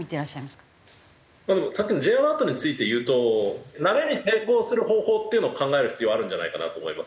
まあでもさっきのＪアラートについて言うと慣れに対抗する方法っていうのを考える必要あるんじゃないかなと思いますよね。